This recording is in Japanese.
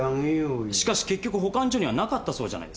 しかし結局保管所にはなかったそうじゃないですか。